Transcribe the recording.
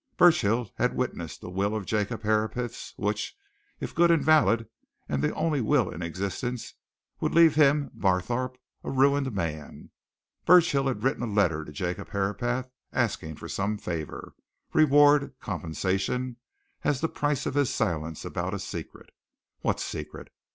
Burchill had witnessed a will of Jacob Herapath's, which, if good and valid and the only will in existence, would leave him, Barthorpe, a ruined man. Burchill had written a letter to Jacob Herapath asking for some favour, reward, compensation, as the price of his silence about a secret. What secret?